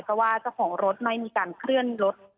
เพราะว่าเจ้าของรถไม่มีการเคลื่อนรถ